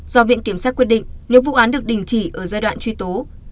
do viện kiểm sát quyết định nếu vụ án được đình chỉ ở giai đoạn truy tố